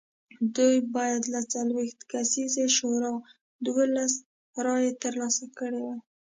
دوی باید له څلوېښت کسیزې شورا دولس رایې ترلاسه کړې وای